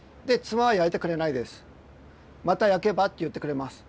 「また焼けば」って言ってくれます。